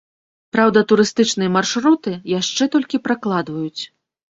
Праўда, турыстычныя маршруты яшчэ толькі пракладваюць.